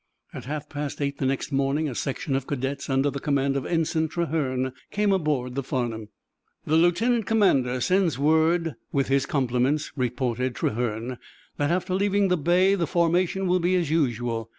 At half past eight the next morning a section of cadets, under the command of Ensign Trahern, came aboard the "Farnum." "The lieutenant commander sends word, with his compliments," reported Trahern, "that after leaving the bay the formation will be as usual.